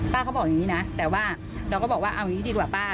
เขาบอกอย่างนี้นะแต่ว่าเราก็บอกว่าเอาอย่างนี้ดีกว่าป้า